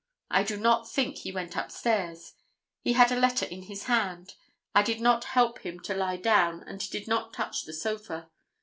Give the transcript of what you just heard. I do not think he went upstairs. He had a letter in his hand. I did not help him to lie down and did not touch the sofa.